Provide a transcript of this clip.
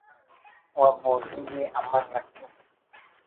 و بولی ءِ امر رکھن